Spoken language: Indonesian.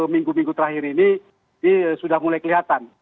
minggu minggu terakhir ini sudah mulai kelihatan